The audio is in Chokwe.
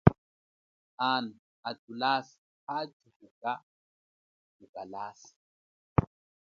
Ana thulasa hathuka kukalasa.